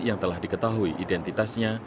yang telah diketahui identitasnya